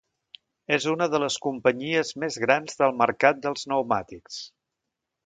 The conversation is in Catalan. És una de les companyies més grans del mercat dels pneumàtics.